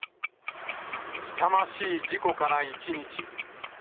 痛ましい事故から１日。